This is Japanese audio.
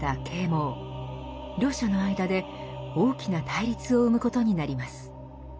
両者の間で大きな対立を生むことになります。